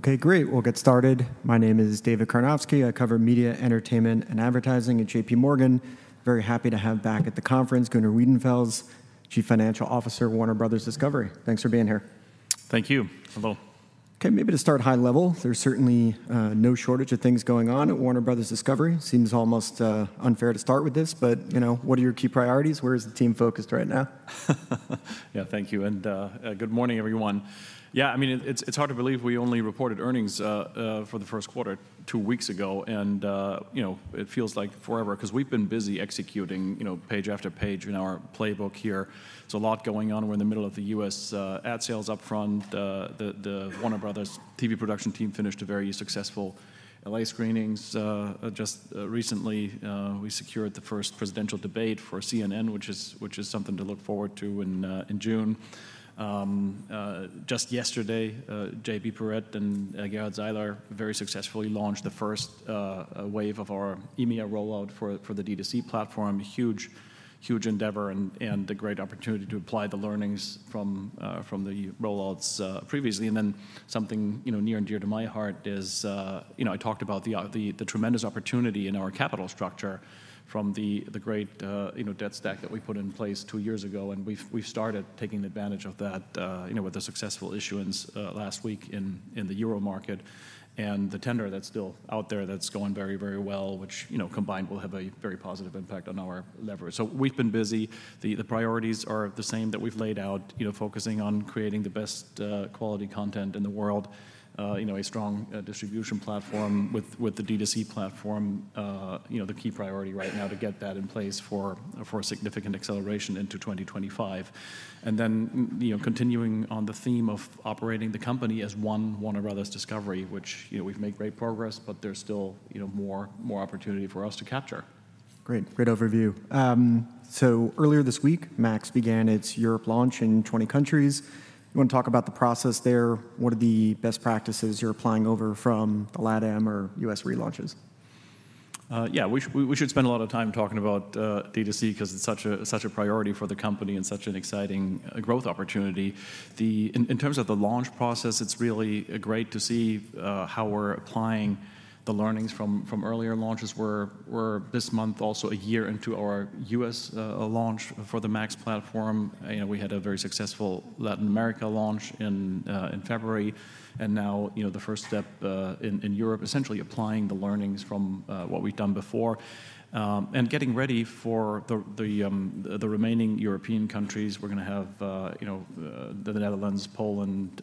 Okay, great. We'll get started. My name is David Karnovsky. I cover media, entertainment, and advertising at JPMorgan. Very happy to have back at the conference, Gunnar Wiedenfels, Chief Financial Officer, Warner Bros. Discovery. Thanks for being here. Thank you. Hello. Okay, maybe to start high level, there's certainly no shortage of things going on at Warner Bros. Discovery. Seems almost unfair to start with this, but, you know, what are your key priorities? Where is the team focused right now? Yeah. Thank you, and good morning, everyone. Yeah, I mean, it's hard to believe we only reported earnings for the first quarter two weeks ago, and you know, it feels like forever 'cause we've been busy executing, you know, page after page in our playbook here. There's a lot going on. We're in the middle of the U.S. ad sales Upfront. The Warner Bros. Television production team finished a very successful L.A. screenings. Just recently, we secured the first presidential debate for CNN, which is something to look forward to in June. Just yesterday, JB Perrette and Gerhard Zeiler very successfully launched the first wave of our EMEA rollout for the D2C platform. A huge, huge endeavor and a great opportunity to apply the learnings from the rollouts previously. And then something, you know, near and dear to my heart is, you know, I talked about the tremendous opportunity in our capital structure from the great, you know, debt stack that we put in place two years ago, and we've started taking advantage of that, you know, with the successful issuance last week in the Euro market, and the tender that's still out there, that's going very, very well, which, you know, combined will have a very positive impact on our leverage. So we've been busy. The priorities are the same that we've laid out, you know, focusing on creating the best quality content in the world, you know, a strong distribution platform with the D2C platform. You know, the key priority right now to get that in place for a significant acceleration into 2025. And then, you know, continuing on the theme of operating the company as one Warner Bros. Discovery, which, you know, we've made great progress, but there's still, you know, more opportunity for us to capture. Great. Great overview. So earlier this week, Max began its Europe launch in 20 countries. You wanna talk about the process there? What are the best practices you're applying over from the LATAM or U.S. relaunches? Yeah, we should spend a lot of time talking about D2C because it's such a priority for the company and such an exciting growth opportunity. In terms of the launch process, it's really great to see how we're applying the learnings from earlier launches. We're this month also a year into our U.S. launch for the Max platform. You know, we had a very successful Latin America launch in February, and now, you know, the first step in Europe, essentially applying the learnings from what we've done before, and getting ready for the remaining European countries. We're gonna have, you know, the Netherlands, Poland,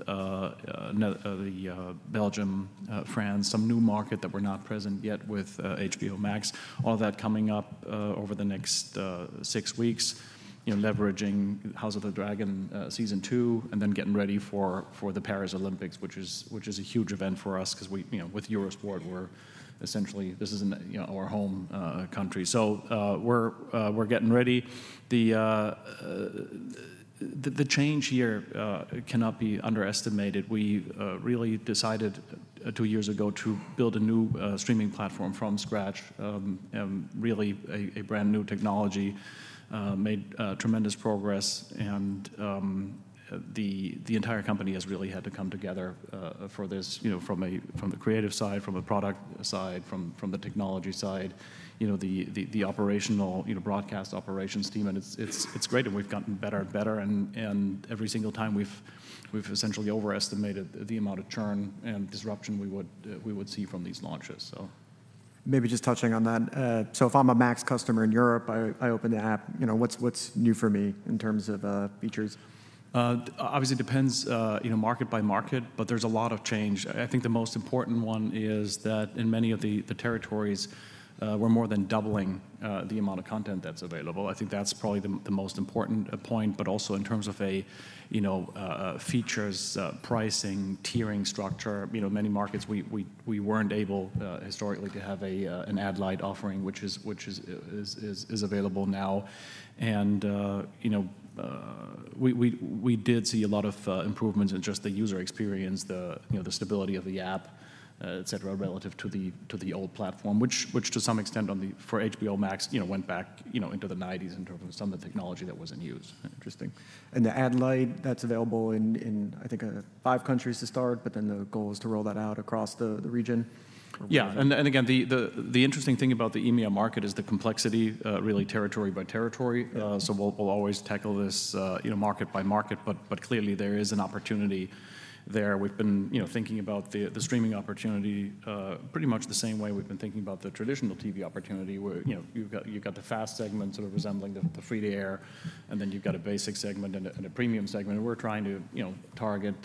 Belgium, France, some new market that we're not present yet with HBO Max. All that coming up over the next six weeks, you know, leveraging House of the Dragon Season Two, and then getting ready for the Paris Olympics, which is a huge event for us because we, you know, with Eurosport, we're essentially this is in, you know, our home country. So, we're getting ready. The change here cannot be underestimated. We really decided two years ago to build a new streaming platform from scratch, really a brand-new technology, made tremendous progress and the entire company has really had to come together for this, you know, from the creative side, from a product side, from the technology side, you know, the operational, you know, broadcast operations team, and it's great, and we've gotten better and better and every single time we've essentially overestimated the amount of churn and disruption we would see from these launches so. Maybe just touching on that. So if I'm a Max customer in Europe, I open the app, you know, what's new for me in terms of features? Obviously, it depends, you know, market by market, but there's a lot of change. I think the most important one is that in many of the territories, we're more than doubling the amount of content that's available. I think that's probably the most important point, but also in terms of, you know, features, pricing, tiering structure. You know, many markets, we weren't able, historically to have a an Ad-Lite offering, which is available now. You know, we did see a lot of improvements in just the user experience, you know, the stability of the app, et cetera, relative to the old platform, which to some extent for HBO Max, you know, went back, you know, into the nineties in terms of some of the technology that was in use. Interesting. And the Ad-Lite that's available in, I think, five countries to start, but then the goal is to roll that out across the region? Yeah. And again, the interesting thing about the EMEA market is the complexity, really territory by territory. Yeah. So we'll always tackle this, you know, market by market, but clearly, there is an opportunity there. We've been, you know, thinking about the streaming opportunity pretty much the same way we've been thinking about the traditional TV opportunity, where, you know, you've got the FAST segment sort of resembling the free-to-air, and then you've got a basic segment and a premium segment. And we're trying to, you know, target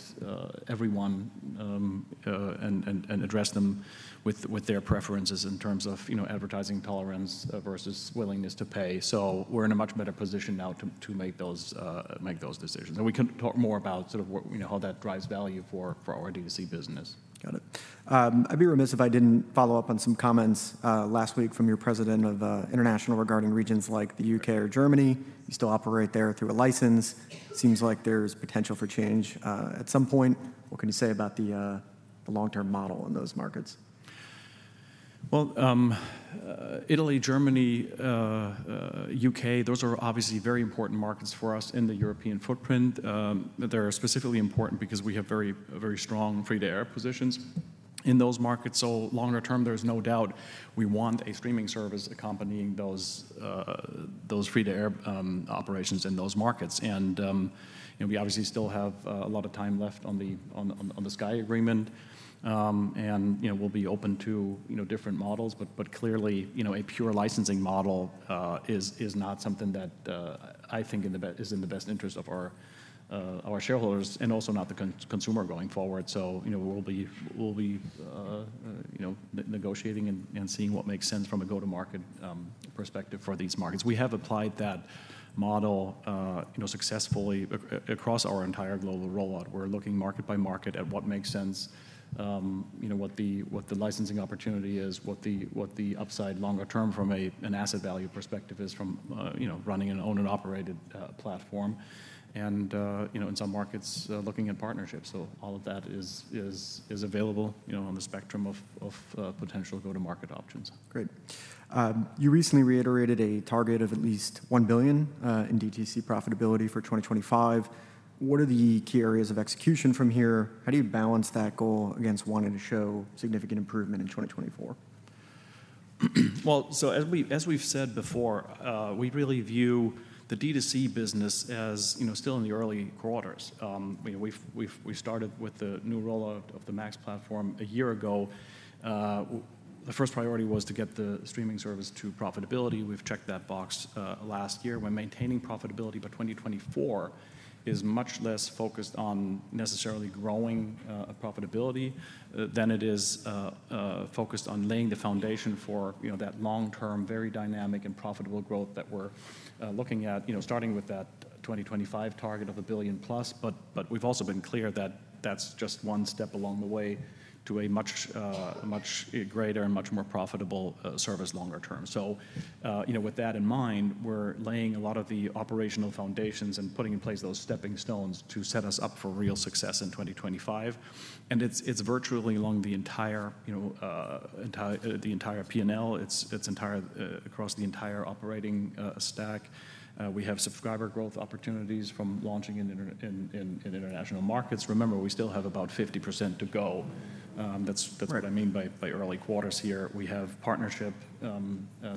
everyone and address them with their preferences in terms of, you know, advertising tolerance versus willingness to pay. So we're in a much better position now to make those decisions, and we can talk more about sort of you know how that drives value for our D2C business. Got it. I'd be remiss if I didn't follow up on some comments last week from your president of international regarding regions like the UK or Germany. You still operate there through a license. Seems like there's potential for change at some point. What can you say about the long-term model in those markets? Well, Italy, Germany, U.K., those are obviously very important markets for us in the European footprint. They are specifically important because we have very, a very strong free-to-air positions in those markets. So longer term, there's no doubt we want a streaming service accompanying those, those free-to-air operations in those markets. And, you know, we obviously still have a lot of time left on the Sky agreement. And, you know, we'll be open to, you know, different models, but, but clearly, you know, a pure licensing model is, is not something that I think in the be- is in the best interest of our, our shareholders and also not the con- consumer going forward. So, you know, we'll be, you know, negotiating and seeing what makes sense from a go-to-market perspective for these markets. We have applied that model, you know, successfully across our entire global rollout. We're looking market by market at what makes sense, you know, what the licensing opportunity is, what the upside longer term from an asset value perspective is from, you know, running an owned and operated platform, and, you know, in some markets, looking at partnerships. So all of that is available, you know, on the spectrum of potential go-to-market options. Great. You recently reiterated a target of at least $1 billion in DTC profitability for 2025. What are the key areas of execution from here? How do you balance that goal against wanting to show significant improvement in 2024? Well, so as we've said before, we really view the DTC business as, you know, still in the early quarters. You know, we've started with the new rollout of the Max platform a year ago. The first priority was to get the streaming service to profitability. We've checked that box last year. We're maintaining profitability, but 2024 is much less focused on necessarily growing profitability than it is focused on laying the foundation for, you know, that long-term, very dynamic and profitable growth that we're looking at, you know, starting with that 2025 target of $1 billion+. But we've also been clear that that's just one step along the way to a much greater and much more profitable service longer term. So, you know, with that in mind, we're laying a lot of the operational foundations and putting in place those stepping stones to set us up for real success in 2025. And it's virtually along the entire, you know, entire, the entire P&L. It's entire across the entire operating stack. We have subscriber growth opportunities from launching in international markets. Remember, we still have about 50% to go. That's- Right That's what I mean by early quarters here. We have partnership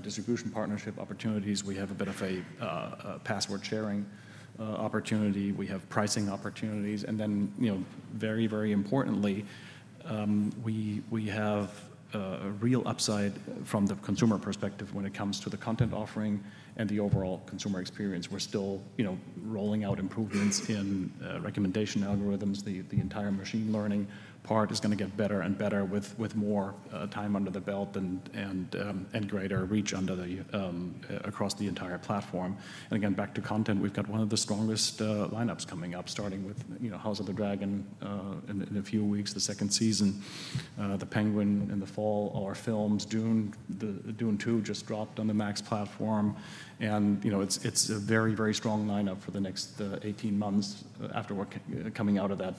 distribution partnership opportunities. We have a bit of a password-sharing opportunity. We have pricing opportunities, and then, you know, very, very importantly, we have a real upside from the consumer perspective when it comes to the content offering and the overall consumer experience. We're still, you know, rolling out improvements in recommendation algorithms. The entire machine learning part is gonna get better and better with more time under the belt and greater reach across the entire platform. And again, back to content, we've got one of the strongest lineups coming up, starting with, you know, House of the Dragon in a few weeks, the second season, The Penguin in the fall, our films, Dune, the Dune Two just dropped on the Max platform. And, you know, it's, it's a very, very strong lineup for the next 18 months after coming out of that,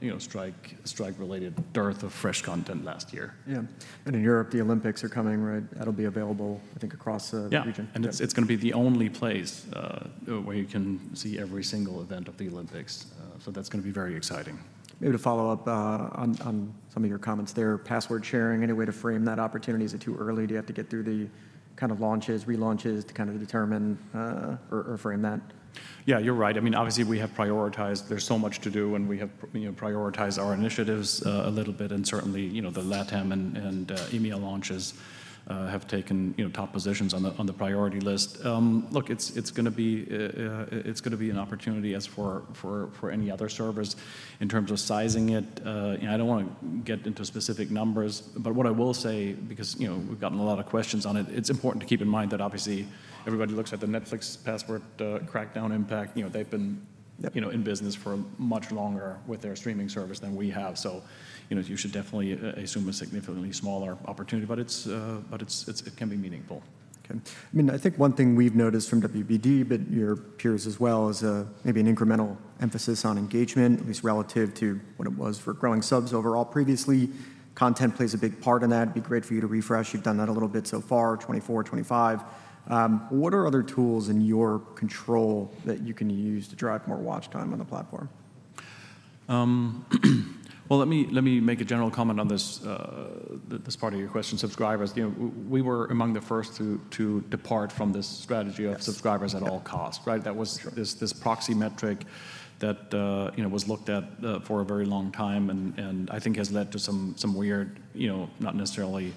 you know, strike, strike-related dearth of fresh content last year. Yeah. And in Europe, the Olympics are coming, right? That'll be available, I think, across the- Yeah... region. It's gonna be the only place where you can see every single event of the Olympics. So that's gonna be very exciting. Maybe to follow up on some of your comments there. Password sharing, any way to frame that opportunity? Is it too early? Do you have to get through the kind of launches, relaunches to kind of determine or frame that? Yeah, you're right. I mean, obviously, we have prioritized. There's so much to do, and we have prioritized our initiatives, a little bit, and certainly, you know, the LATAM and EMEA launches have taken, you know, top positions on the, on the priority list. Look, it's gonna be, it's gonna be an opportunity as for any other service in terms of sizing it. You know, I don't wanna get into specific numbers, but what I will say, because, you know, we've gotten a lot of questions on it, it's important to keep in mind that obviously everybody looks at the Netflix password crackdown impact. You know, they've been- Yep... you know, in business for much longer with their streaming service than we have. So, you know, you should definitely assume a significantly smaller opportunity, but it's, it can be meaningful. Okay. I mean, I think one thing we've noticed from WBD, but your peers as well, is maybe an incremental emphasis on engagement, at least relative to what it was for growing subs overall previously. Content plays a big part in that. It'd be great for you to refresh. You've done that a little bit so far, 2024, 2025. What are other tools in your control that you can use to drive more watch time on the platform? Well, let me make a general comment on this part of your question, subscribers. You know, we were among the first to depart from this strategy- Yes... of subscribers at all costs, right? That's true. That was this proxy metric that, you know, was looked at for a very long time and, and I think has led to some, some weird, you know, not necessarily,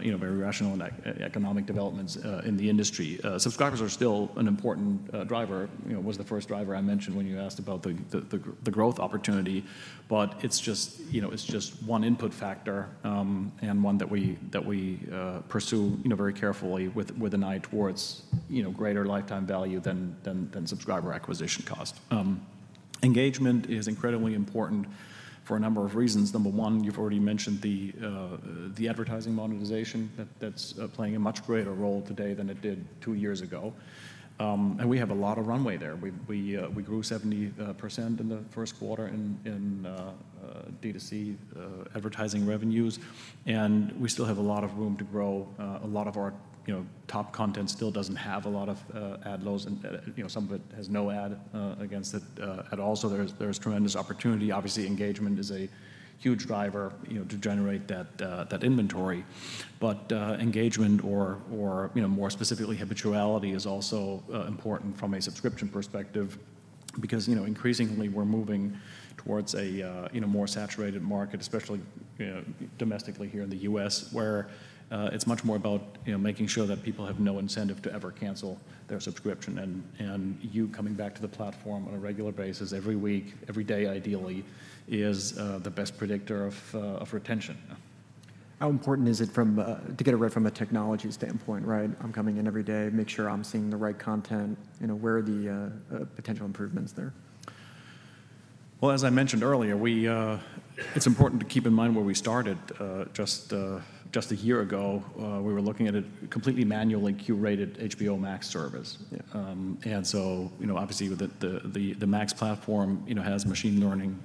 you know, very rational and economic developments in the industry. Subscribers are still an important driver. You know, it was the first driver I mentioned when you asked about the growth opportunity, but it's just, you know, it's just one input factor, and one that we pursue, you know, very carefully with an eye towards, you know, greater lifetime value than subscriber acquisition cost. Engagement is incredibly important for a number of reasons. Number one, you've already mentioned the advertising monetization that's playing a much greater role today than it did two years ago. And we have a lot of runway there. We grew 70% in the first quarter in DTC advertising revenues, and we still have a lot of room to grow. A lot of our, you know, top content still doesn't have a lot of ad loads, and you know, some of it has no ad against it at all. So there's tremendous opportunity. Obviously, engagement is a huge driver, you know, to generate that inventory. But, engagement or you know, more specifically, habituality is also important from a subscription perspective because, you know, increasingly we're moving towards a you know, more saturated market, especially, you know, domestically here in the U.S., where it's much more about, you know, making sure that people have no incentive to ever cancel their subscription. And you coming back to the platform on a regular basis every week, every day, ideally, is the best predictor of retention. How important is it from, to get it right from a technology standpoint, right? I'm coming in every day, make sure I'm seeing the right content. You know, where are the potential improvements there? Well, as I mentioned earlier, it's important to keep in mind where we started. Just a year ago, we were looking at a completely manually curated HBO Max service. And so, you know, obviously, with the Max platform, you know, has machine learning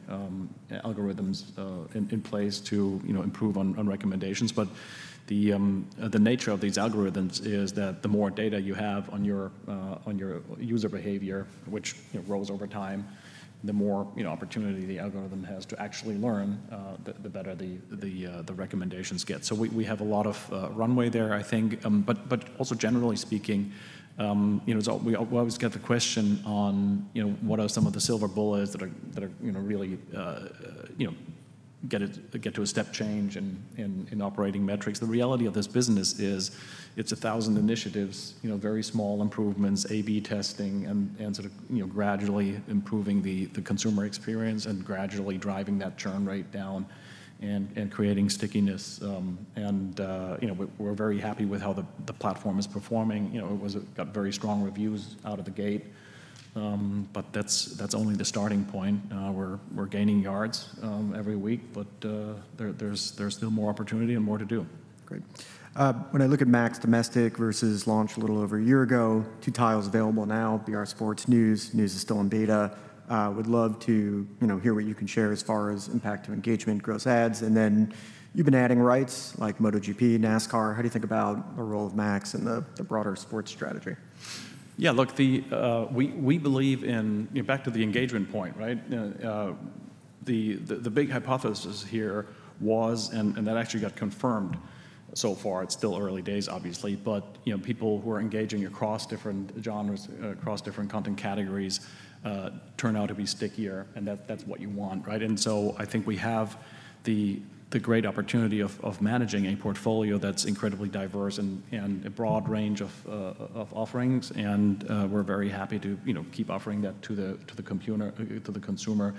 algorithms in place to, you know, improve on recommendations. But the nature of these algorithms is that the more data you have on your user behavior, which, you know, grows over time, the more opportunity the algorithm has to actually learn, the better the recommendations get. So we have a lot of runway there, I think. But also generally speaking, you know, I always get the question on, you know, what are some of the silver bullets that are, you know, really, you know, get to a step change in operating metrics? The reality of this business is it's a thousand initiatives, you know, very small improvements, A/B testing, and sort of, you know, gradually improving the consumer experience and gradually driving that churn rate down and creating stickiness. And you know, we're very happy with how the platform is performing. You know, it was. It got very strong reviews out of the gate, but that's only the starting point. We're gaining yards every week, but there's still more opportunity and more to do. Great. When I look at Max domestic versus launch a little over a year ago, two titles available now, B/R Sports, News. News is still in beta. Would love to, you know, hear what you can share as far as impact to engagement, gross adds, and then you've been adding rights like MotoGP, NASCAR. How do you think about the role of Max in the broader sports strategy? Yeah, look. We believe in— You know, back to the engagement point, right? The big hypothesis here was, and that actually got confirmed so far. It's still early days, obviously, but, you know, people who are engaging across different genres, across different content categories, turn out to be stickier, and that's what you want, right? And so I think we have the great opportunity of managing a portfolio that's incredibly diverse and a broad range of offerings, and we're very happy to, you know, keep offering that to the computer— to the consumer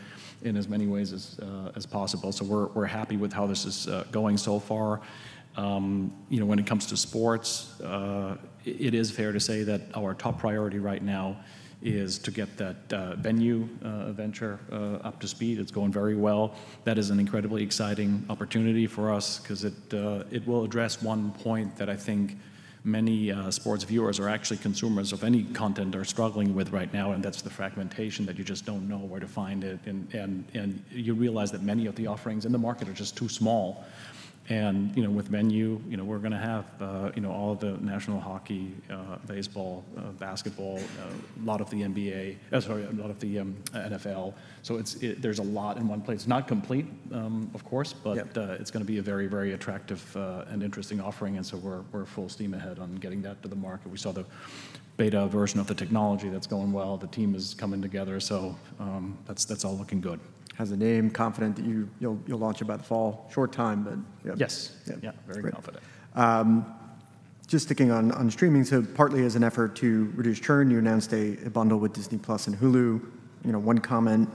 in as many ways as possible. So we're happy with how this is going so far. You know, when it comes to sports, it is fair to say that our top priority right now is to get that Venu venture up to speed. It's going very well. That is an incredibly exciting opportunity for us 'cause it will address one point that I think many sports viewers or actually consumers of any content are struggling with right now, and that's the fragmentation, that you just don't know where to find it. You realize that many of the offerings in the market are just too small. You know, with Venu, you know, we're gonna have all the national hockey, baseball, basketball, a lot of the NBA, sorry, a lot of the NFL. So there's a lot in one place. Not complete, of course- Yep. But, it's gonna be a very, very attractive, and interesting offering, and so we're full steam ahead on getting that to the market. We saw the beta version of the technology. That's going well. The team is coming together, so, that's all looking good. Are you confident that you'll launch it by the fall? Short time, but yeah. Yes. Yeah. Yeah, very confident. That's great. Just sticking on streaming, so partly as an effort to reduce churn, you announced a bundle with Disney+ and Hulu. You know, one comment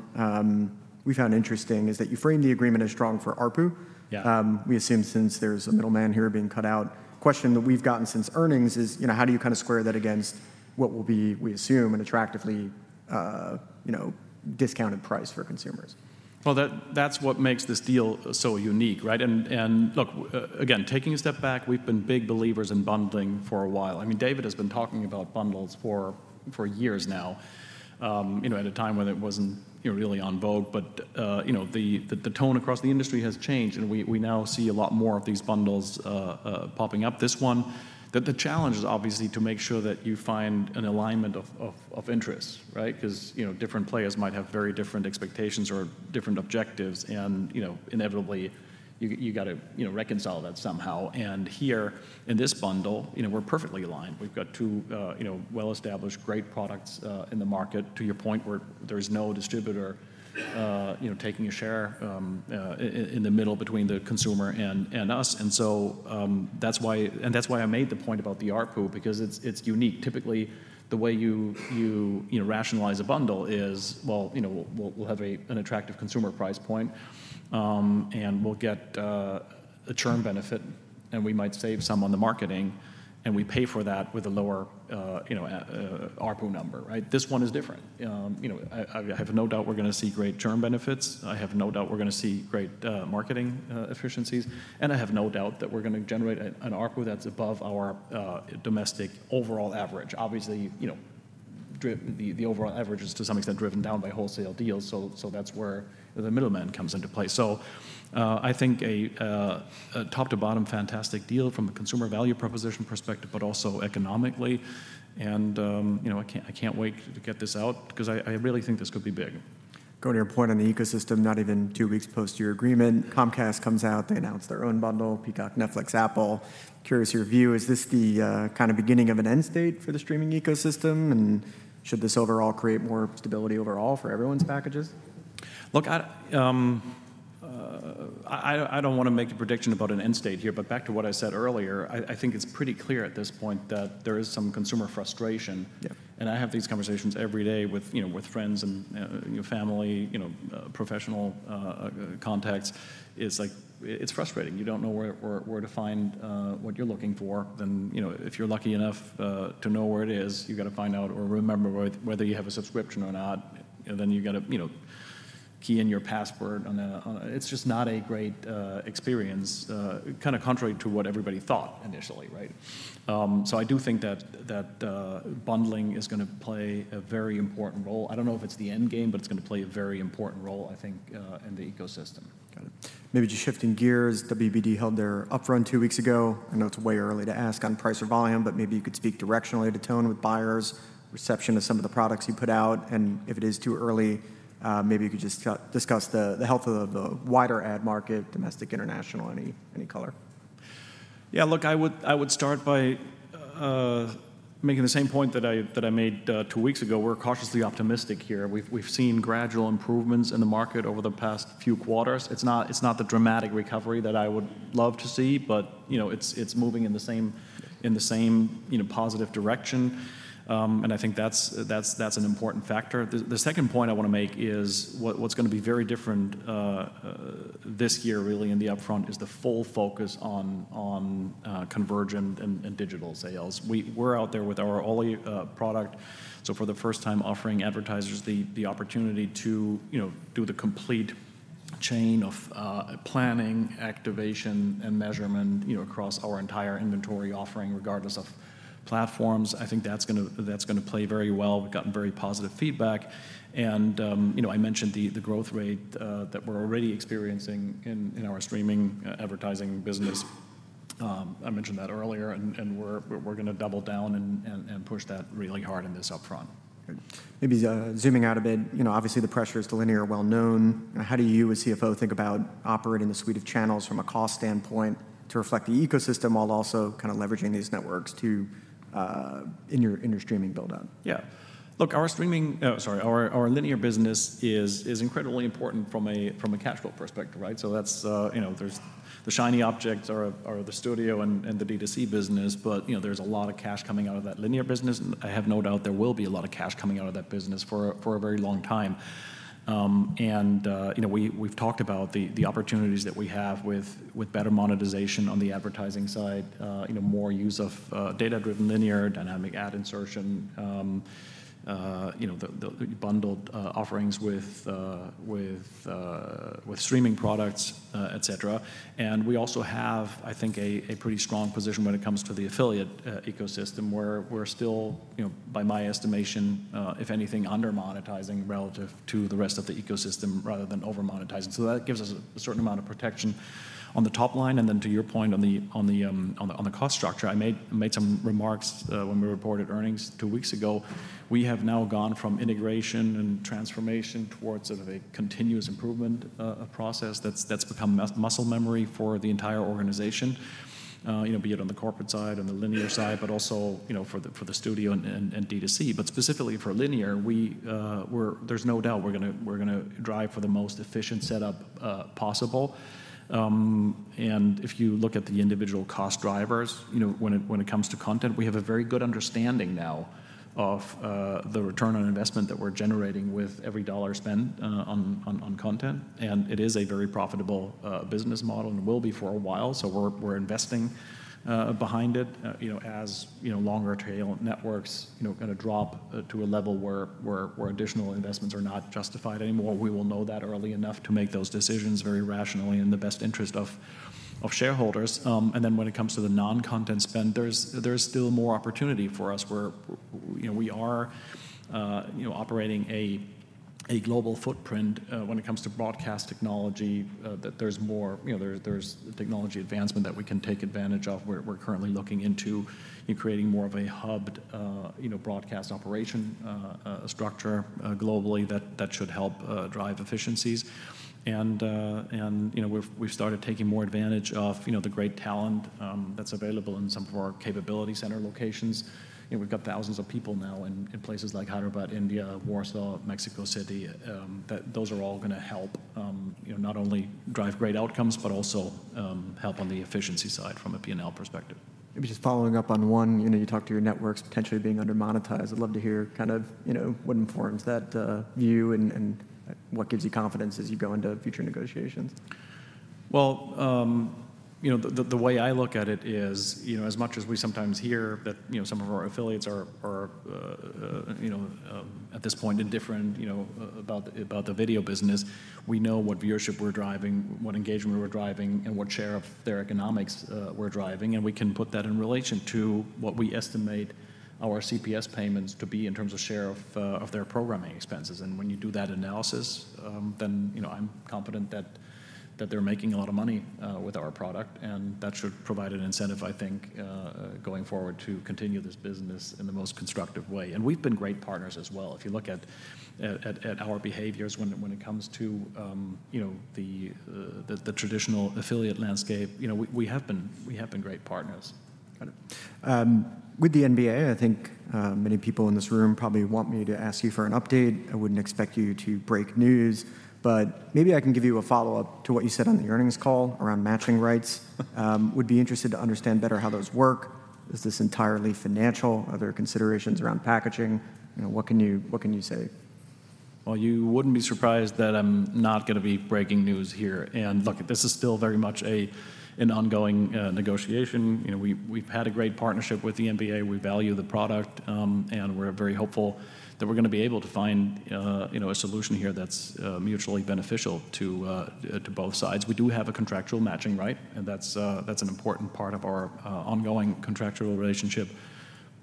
we found interesting is that you framed the agreement as strong for ARPU. Yeah. We assume since there's a middleman here being cut out, question that we've gotten since earnings is, you know, how do you kind of square that against what will be, we assume, an attractively, you know, discounted price for consumers? Well, that, that's what makes this deal so unique, right? And, and look, again, taking a step back, we've been big believers in bundling for a while. I mean, David has been talking about bundles for, for years now, you know, at a time when it wasn't, you know, really en vogue. But, you know, the, the, the tone across the industry has changed, and we, we now see a lot more of these bundles, popping up. This one, the challenge is obviously to make sure that you find an alignment of, of, of interests, right? 'Cause, you know, different players might have very different expectations or different objectives and, you know, inevitably, you got to, you know, reconcile that somehow. And here, in this bundle, you know, we're perfectly aligned. We've got two, you know, well-established, great products in the market, to your point, where there's no distributor, you know, taking a share in the middle between the consumer and us. And so, that's why I made the point about the ARPU because it's unique. Typically, the way you know rationalize a bundle is, well, you know, we'll have an attractive consumer price point, and we'll get a churn benefit, and we might save some on the marketing, and we pay for that with a lower, you know, ARPU number, right? This one is different. You know, I have no doubt we're gonna see great churn benefits. I have no doubt we're gonna see great marketing efficiencies, and I have no doubt that we're gonna generate an ARPU that's above our domestic overall average. Obviously, you know, the overall average is to some extent driven down by wholesale deals, so that's where the middleman comes into play. So, I think a top-to-bottom fantastic deal from a consumer value proposition perspective, but also economically. And, you know, I can't wait to get this out 'cause I really think this could be big. Going to your point on the ecosystem, not even two weeks post your agreement, Comcast comes out, they announce their own bundle: Peacock, Netflix, Apple. Curious your view, is this the kind of beginning of an end state for the streaming ecosystem? And should this overall create more stability overall for everyone's packages? Look, I don't wanna make a prediction about an end state here, but back to what I said earlier, I think it's pretty clear at this point that there is some consumer frustration. Yeah. I have these conversations every day with, you know, with friends and, you know, family, you know, professional contexts. It's like, it's frustrating. You don't know where to find what you're looking for. Then, you know, if you're lucky enough to know where it is, you've got to find out or remember whether you have a subscription or not. And then you've got to, you know, key in your password, and it's just not a great experience, kinda contrary to what everybody thought initially, right? So I do think that bundling is gonna play a very important role. I don't know if it's the end game, but it's gonna play a very important role, I think, in the ecosystem. Got it. Maybe just shifting gears, WBD held their Upfront two weeks ago. I know it's way early to ask on price or volume, but maybe you could speak directionally to tone with buyers, reception to some of the products you put out. And if it is too early, maybe you could just discuss the health of the wider ad market, domestic, international, any color. Yeah, look, I would, I would start by making the same point that I, that I made two weeks ago. We're cautiously optimistic here. We've seen gradual improvements in the market over the past few quarters. It's not the dramatic recovery that I would love to see, but, you know, it's moving in the same, you know, positive direction. And I think that's an important factor. The second point I wanna make is what's gonna be very different this year, really, in the Upfront, is the full focus on convergent and digital sales. We're out there with our all product. So for the first time, offering advertisers the opportunity to, you know, do the complete chain of planning, activation, and measurement, you know, across our entire inventory offering, regardless of platforms. I think that's gonna play very well. We've gotten very positive feedback. And you know, I mentioned the growth rate that we're already experiencing in our streaming advertising business. I mentioned that earlier, and we're gonna double down and push that really hard in this upfront. Maybe, zooming out a bit, you know, obviously, the pressure is on linear. Well known. How do you, as CFO, think about operating the suite of channels from a cost standpoint to reflect the ecosystem, while also kind of leveraging these networks to, in your streaming build-out? Yeah. Look, our streaming, our linear business is incredibly important from a cash flow perspective, right? So that's, you know, there's the shiny objects are the studio and the D2C business, but, you know, there's a lot of cash coming out of that linear business. I have no doubt there will be a lot of cash coming out of that business for a very long time. And you know, we've talked about the opportunities that we have with better monetization on the advertising side, you know, more use of data-driven linear dynamic ad insertion, you know, the bundled offerings with streaming products, et cetera. And we also have, I think, a pretty strong position when it comes to the affiliate ecosystem, where we're still, you know, by my estimation, if anything, under-monetizing relative to the rest of the ecosystem rather than over-monetizing. So that gives us a certain amount of protection on the top line. And then to your point on the cost structure, I made some remarks when we reported earnings two weeks ago. We have now gone from integration and transformation towards a continuous improvement process that's become muscle memory for the entire organization. You know, be it on the corporate side, on the linear side, but also, you know, for the studio and D2C. But specifically for linear, we're going to drive for the most efficient setup possible. And if you look at the individual cost drivers, you know, when it comes to content, we have a very good understanding now of the return on investment that we're generating with every dollar spent on content. And it is a very profitable business model and will be for a while, so we're investing behind it. You know, as you know, longer tail networks, you know, gonna drop to a level where additional investments are not justified anymore, we will know that early enough to make those decisions very rationally in the best interest of shareholders. And then when it comes to the non-content spend, there's still more opportunity for us, where you know we are operating a global footprint when it comes to broadcast technology. That there's more. You know, there there's technology advancement that we can take advantage of. We're currently looking into and creating more of a hubbed you know broadcast operation structure globally, that should help drive efficiencies. And you know we've started taking more advantage of you know the great talent that's available in some of our capability center locations. You know, we've got thousands of people now in places like Hyderabad, India, Warsaw, Mexico City, that those are all gonna help, you know, not only drive great outcomes, but also help on the efficiency side from a P&L perspective. Just following up on one, you know, you talked to your networks potentially being under-monetized. I'd love to hear kind of, you know, what informs that view and what gives you confidence as you go into future negotiations? Well, you know, the way I look at it is, you know, as much as we sometimes hear that, you know, some of our affiliates are at this point indifferent about the video business. We know what viewership we're driving, what engagement we're driving, and what share of their economics we're driving, and we can put that in relation to what we estimate our CPS payments to be in terms of share of their programming expenses. And when you do that analysis, then, you know, I'm confident that they're making a lot of money with our product, and that should provide an incentive, I think, going forward, to continue this business in the most constructive way. And we've been great partners as well. If you look at our behaviors when it comes to, you know, the traditional affiliate landscape, you know, we have been great partners. Got it. With the NBA, I think many people in this room probably want me to ask you for an update. I wouldn't expect you to break news, but maybe I can give you a follow-up to what you said on the earnings call around matching rights. Would be interested to understand better how those work. Is this entirely financial? Are there considerations around packaging? You know, what can you, what can you say? Well, you wouldn't be surprised that I'm not gonna be breaking news here. And look, this is still very much an ongoing negotiation. You know, we've had a great partnership with the NBA. We value the product, and we're very hopeful that we're gonna be able to find you know, a solution here that's mutually beneficial to both sides. We do have a contractual matching right, and that's an important part of our ongoing contractual relationship.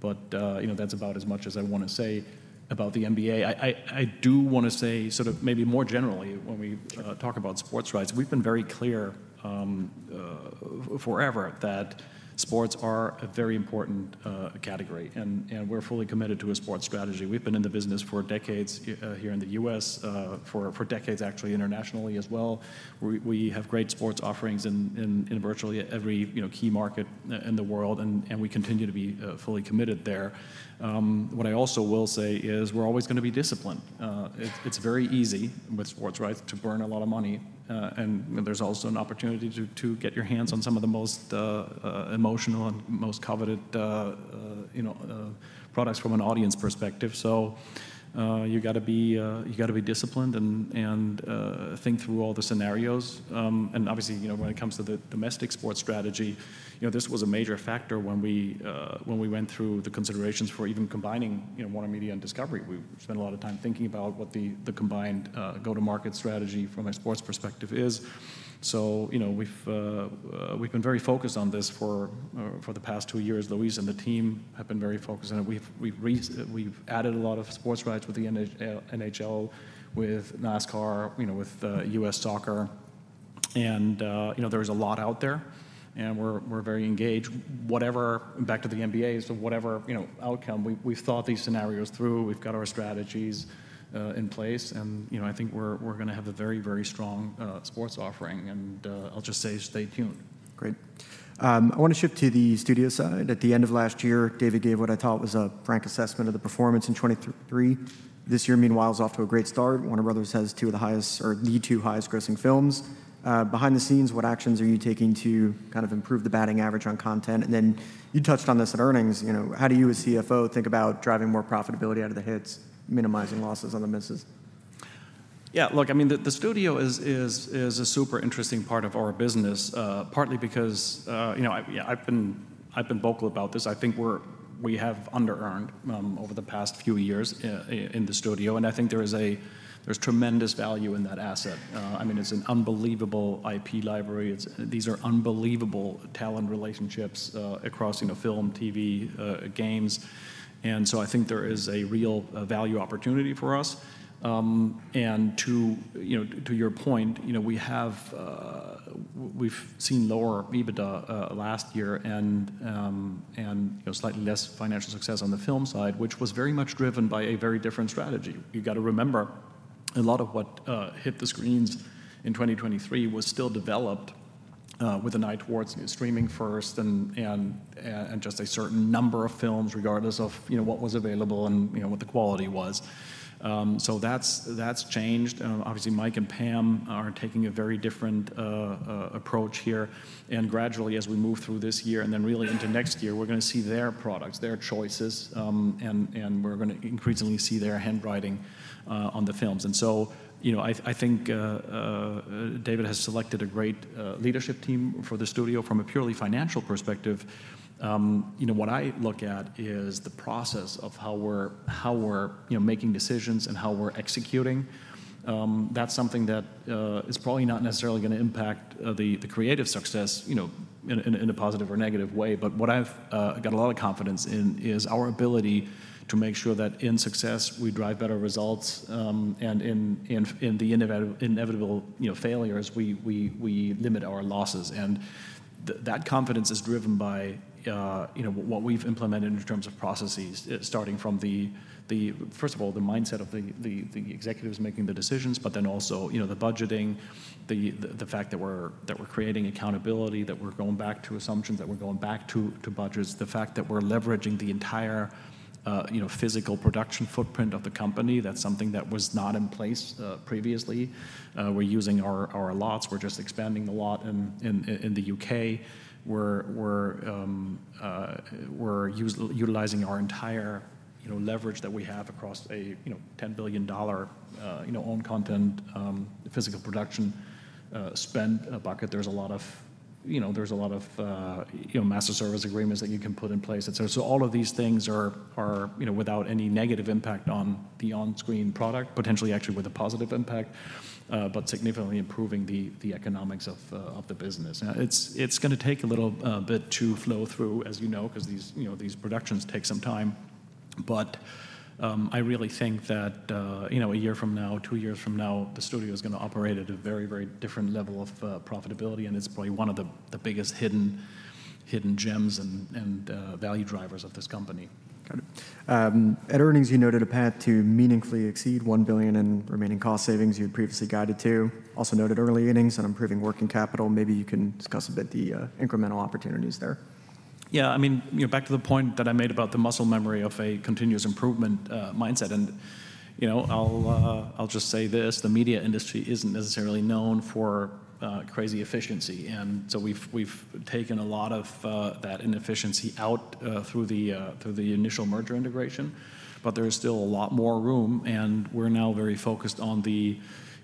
But you know, that's about as much as I wanna say about the NBA. I do wanna say, sort of maybe more generally, when we- Sure... talk about sports rights, we've been very clear forever that sports are a very important category, and we're fully committed to a sports strategy. We've been in the business for decades here in the U.S. for decades, actually, internationally as well. We have great sports offerings in virtually every, you know, key market in the world, and we continue to be fully committed there. What I also will say is, we're always gonna be disciplined. It's very easy with sports rights to burn a lot of money, and there's also an opportunity to get your hands on some of the most emotional and most coveted, you know, products from an audience perspective. So, you gotta be disciplined and think through all the scenarios. And obviously, you know, when it comes to the domestic sports strategy, you know, this was a major factor when we went through the considerations for even combining, you know, WarnerMedia and Discovery. We spent a lot of time thinking about what the combined go-to-market strategy from a sports perspective is. So, you know, we've been very focused on this for the past two years. Luis and the team have been very focused on it. We've added a lot of sports rights with the NHL, with NASCAR, you know, with U.S. Soccer. And, you know, there's a lot out there, and we're very engaged. Whatever, back to the NBA, so whatever, you know, outcome, we, we've thought these scenarios through. We've got our strategies in place, and, you know, I think we're, we're gonna have a very, very strong sports offering. And, I'll just say, stay tuned. Great. I wanna shift to the Studio side. At the end of last year, David gave what I thought was a frank assessment of the performance in 2023. This year, meanwhile, is off to a great start. Warner Bros. has two of the highest, or the two highest grossing films. Behind the scenes, what actions are you taking to kind of improve the batting average on content? And then you touched on this at earnings. You know, how do you, as CFO, think about driving more profitability out of the hits, minimizing losses on the misses? Yeah, look, I mean, the Studio is a super interesting part of our business, partly because, you know, I, yeah, I've been vocal about this. I think we have under-earned over the past few years in the studio, and I think there's tremendous value in that asset. I mean, it's an unbelievable IP library. These are unbelievable talent relationships across, you know, film, TV, games, and so I think there is a real value opportunity for us. And to, you know, to your point, you know, we have we've seen lower EBITDA last year, and, and, you know, slightly less financial success on the film side, which was very much driven by a very different strategy. You've got to remember, a lot of what hit the screens in 2023 was still developed with an eye towards streaming first and just a certain number of films, regardless of, you know, what was available and, you know, what the quality was. So that's changed. Obviously, Mike and Pam are taking a very different approach here, and gradually, as we move through this year and then really into next year, we're gonna see their products, their choices, and we're gonna increasingly see their handwriting on the films. And so, you know, I think David has selected a great leadership team for the Studio from a purely financial perspective. You know, what I look at is the process of how we're making decisions and how we're executing. That's something that is probably not necessarily gonna impact the creative success, you know, in a positive or negative way. But what I've got a lot of confidence in is our ability to make sure that in success, we drive better results, and in the inevitable, you know, failures, we limit our losses. And that confidence is driven by, you know, what we've implemented in terms of processes, starting from the first of all, the mindset of the executives making the decisions, but then also, you know, the budgeting, the fact that we're creating accountability, that we're going back to assumptions, that we're going back to budgets, the fact that we're leveraging the entire, you know, physical production footprint of the company, that's something that was not in place previously. We're using our lots. We're just expanding the lot in the U.K.. We're utilizing our entire, you know, leverage that we have across a $10 billion own content physical production spend bucket. There's a lot of... You know, there's a lot of, you know, master service agreements that you can put in place. And so all of these things are, you know, without any negative impact on the on-screen product, potentially actually with a positive impact, but significantly improving the economics of the business. Now, it's gonna take a little bit to flow through, as you know, 'cause these, you know, these productions take some time. But I really think that, you know, a year from now, two years from now, the studio is gonna operate at a very, very different level of profitability, and it's probably one of the biggest hidden gems and value drivers of this company. Got it. At earnings, you noted a path to meaningfully exceed $1 billion in remaining cost savings you had previously guided to. Also noted early innings on improving working capital. Maybe you can discuss a bit the incremental opportunities there. Yeah, I mean, you know, back to the point that I made about the muscle memory of a continuous improvement mindset, and, you know, I'll just say this: the media industry isn't necessarily known for crazy efficiency, and so we've taken a lot of that inefficiency out through the initial merger integration. But there is still a lot more room, and we're now very focused on the,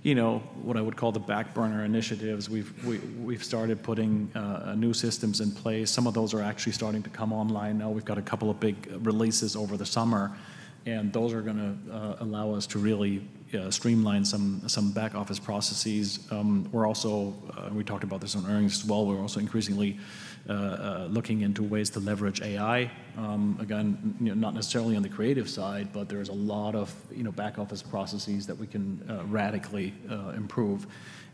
you know, what I would call the back burner initiatives. We've started putting new systems in place. Some of those are actually starting to come online now. We've got a couple of big releases over the summer, and those are gonna allow us to really streamline some back office processes. We're also, and we talked about this on earnings as well, we're also increasingly looking into ways to leverage AI. Again, you know, not necessarily on the creative side, but there's a lot of, you know, back office processes that we can radically improve.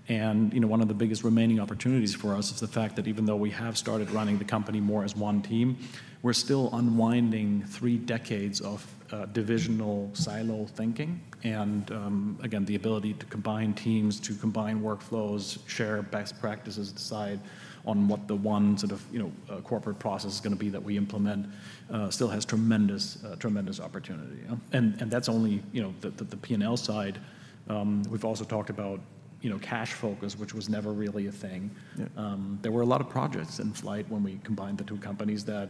And, you know, one of the biggest remaining opportunities for us is the fact that even though we have started running the company more as one team, we're still unwinding three decades of divisional silo thinking. And, again, the ability to combine teams, to combine workflows, share best practices, decide on what the one sort of, you know, corporate process is gonna be that we implement still has tremendous, tremendous opportunity. And, and that's only, you know, the P&L side. We've also talked about, you know, cash focus, which was never really a thing. Yeah. There were a lot of projects in flight when we combined the two companies that,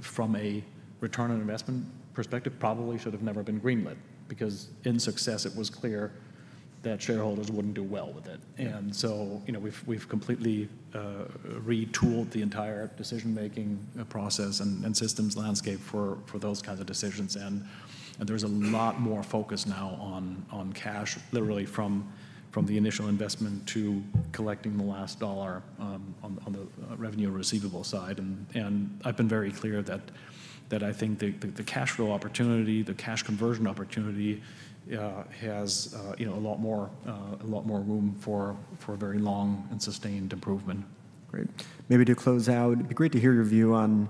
from a return on investment perspective, probably should have never been greenlit. Because in success, it was clear that shareholders wouldn't do well with it. Yeah. So, you know, we've completely retooled the entire decision-making process and systems landscape for those kinds of decisions. There's a lot more focus now on cash, literally from the initial investment to collecting the last dollar on the revenue receivable side. I've been very clear that I think the cash flow opportunity, the cash conversion opportunity, has, you know, a lot more room for very long and sustained improvement. Great. Maybe to close out, it'd be great to hear your view on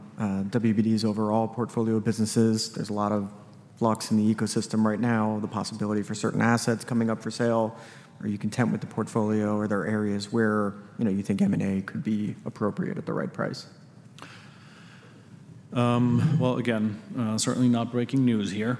WBD's overall portfolio of businesses. There's a lot of blocks in the ecosystem right now, the possibility for certain assets coming up for sale. Are you content with the portfolio? Are there areas where, you know, you think M&A could be appropriate at the right price? Well, again, certainly not breaking news here.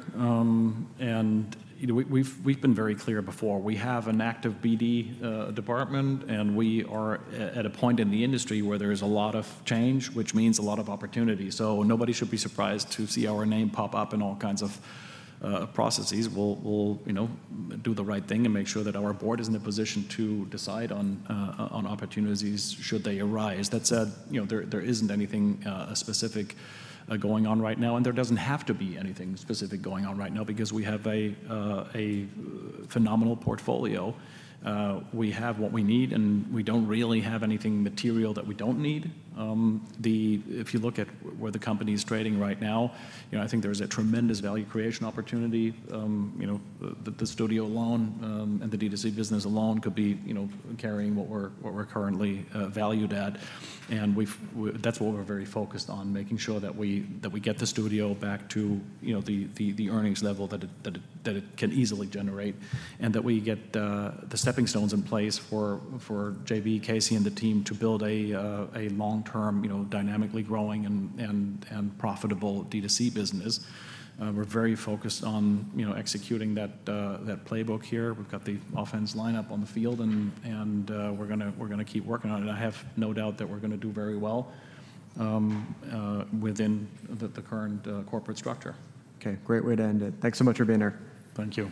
You know, we've been very clear before. We have an active BD department, and we are at a point in the industry where there is a lot of change, which means a lot of opportunity. So nobody should be surprised to see our name pop up in all kinds of processes. We'll, you know, do the right thing and make sure that our board is in a position to decide on opportunities should they arise. That said, you know, there isn't anything specific going on right now, and there doesn't have to be anything specific going on right now because we have a phenomenal portfolio. We have what we need, and we don't really have anything material that we don't need. The... If you look at where the company is trading right now, you know, I think there's a tremendous value creation opportunity. You know, the studio alone and the D2C business alone could be, you know, carrying what we're currently valued at. And we've, that's what we're very focused on, making sure that we get the studio back to, you know, the earnings level that it can easily generate, and that we get the stepping stones in place for JB, Casey, and the team to build a long-term, you know, dynamically growing and profitable D2C business. We're very focused on, you know, executing that playbook here. We've got the offense line up on the field, and we're gonna keep working on it. I have no doubt that we're gonna do very well within the current corporate structure. Okay, great way to end it. Thanks so much for being here. Thank you.